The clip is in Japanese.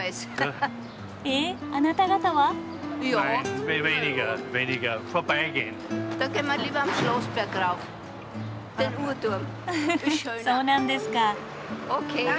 ハハハそうなんですか。